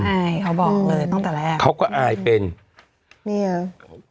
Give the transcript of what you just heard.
อายเขาบอกเลยตั้งแต่แรกเขาก็อายเป็นนี่เหรอ